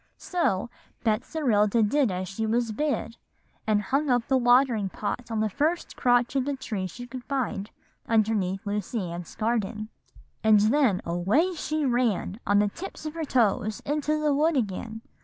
"So Betserilda did as she was bid, and hung up the watering pot on the first crotch of the tree she could find underneath Lucy Ann's Garden, and then away she ran on the tips of her toes into the wood again.